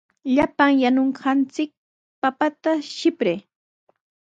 Llapan yanunqanchik papata sipray.